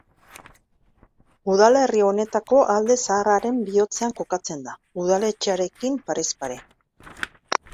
Udalerri honetako alde zaharraren bihotzean kokatzen da, udaletxearekin parez-pare.